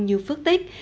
như phước tích